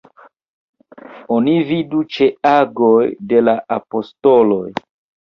Oni vidu ĉe Agoj de la Apostoloj.